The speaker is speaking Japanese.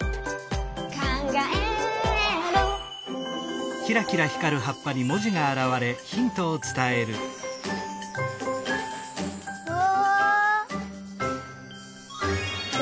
「かんがえる」うわ！